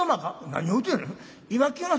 「何を言うてんねん」。